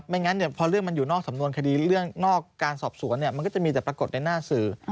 งั้นพอเรื่องมันอยู่นอกสำนวนคดีเรื่องนอกการสอบสวนมันก็จะมีแต่ปรากฏในหน้าสื่อ